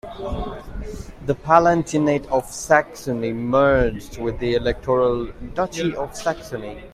The palatinate of Saxony merged with the Electoral Duchy of Saxony.